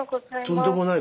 とんでもない。